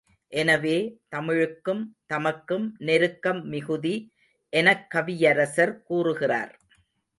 எனவே, தமிழுக்கும் தமக்கும் நெருக்கம் மிகுதி எனக் கவியரசர் கூறுகிறார்.